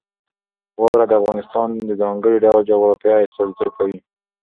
واوره د افغانستان د ځانګړي ډول جغرافیه استازیتوب کوي.